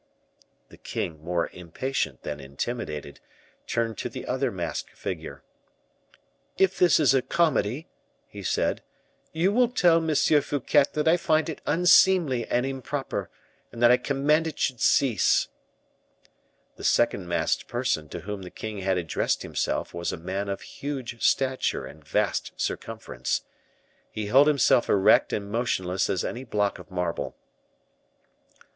The king, more impatient than intimidated, turned to the other masked figure. "If this is a comedy," he said, "you will tell M. Fouquet that I find it unseemly and improper, and that I command it should cease." The second masked person to whom the king had addressed himself was a man of huge stature and vast circumference. He held himself erect and motionless as any block of marble.